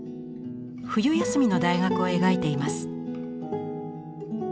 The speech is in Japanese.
冬休みの大学を描いています。